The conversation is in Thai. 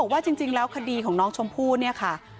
ว่าจริงแล้วคดีของน้องชมพู่เนี่ยค่ะ